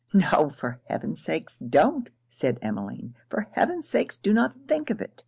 'No, for heaven's sake don't!' said Emmeline 'for heaven's sake do not think of it!